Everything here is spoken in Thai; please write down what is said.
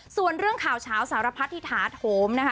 ส่วนเรื่องข่าวเฉาสารพัดที่ถาโถมนะคะ